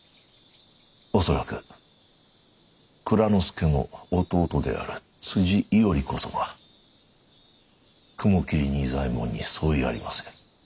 恐らく蔵之助の弟である伊織こそが雲霧仁左衛門に相違ありません。